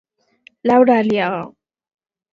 Laura Aliaga.